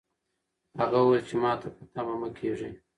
هغه وویل چې ماته په تمه مه کېږئ.